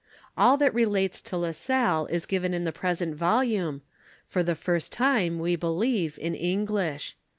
All that relates to La Salle is given in the present volume, for ihe first time, we believe, in English.